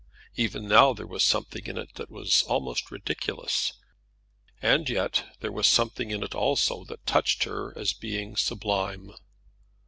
Even now there was something in it that was almost ridiculous; and yet there was something in it also that touched her as being sublime.